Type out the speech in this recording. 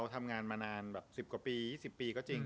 ทำงานมานานแบบ๑๐กว่าปี๒๐ปีก็จริง